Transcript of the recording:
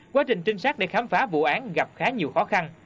quá trình trinh sát để khám phá vụ án gặp khá nhiều khó khăn